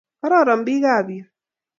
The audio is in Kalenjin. Kororon pik ap yu